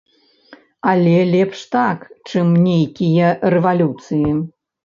Але лепш так, чым нейкія рэвалюцыі.